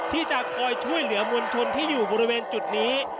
ที่จะคอยช่วยเหลือมวลชนที่อยู่บริเวณจุดนี้